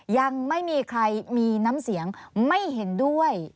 ยังไม่มีใครมีน้ำเสียงไม่เห็นด้วย